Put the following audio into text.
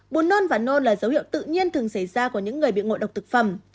bột nôn và nôn là dấu hiệu tự nhiên thường xảy ra của những người bị ngộ độc thực phẩm